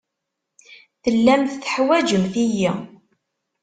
Tellamt teḥwajemt-iyi.